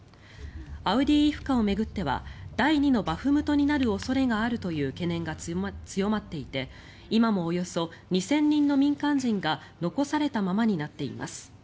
アウディイフカを巡っては第２のバフムトになるという懸念が強まっていて今もおよそ２０００人の民間人が残されたままになっています。